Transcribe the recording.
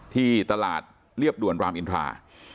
ที่ตลาดเรียบด่วนรามอินทรา